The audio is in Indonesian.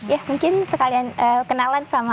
ya mungkin sekalian kenalan sama